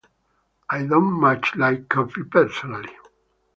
I don't much like coffee personally.